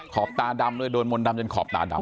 ขอบตาดำเลยโดนมนต์ดำจนขอบตาดำ